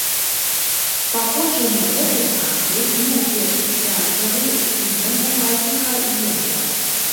Паходжанне гэтай назвы найперш звязвалі з імем уласніка земляў.